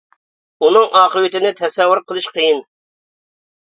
ئۇنىڭ ئاقىۋىتىنى تەسەۋۋۇر قىلىش قىيىن.